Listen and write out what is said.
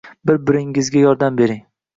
Bir-biringizga yordam bering.